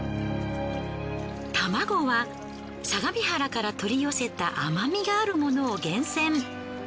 玉子は相模原から取り寄せた甘みがあるものを厳選。